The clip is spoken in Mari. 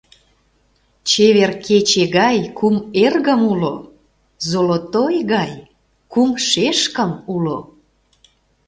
Чевер кече гай кум эргым уло, золотой гай кум шешкым уло.